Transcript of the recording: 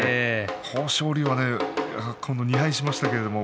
豊昇龍は２敗しましたけれども